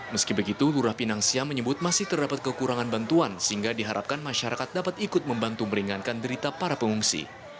meski begitu lurah pinang siam menyebut masih terdapat kekurangan bantuan sehingga diharapkan masyarakat dapat ikut membantu meringankan derita para pengungsi